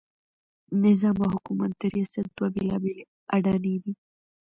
نظام او حکومت د ریاست دوه بېلابېلې اډانې دي.